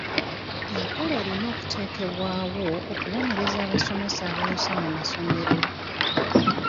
Enkola erina okuteekebwawo okubonereza abasomesa abayosa mu masomero.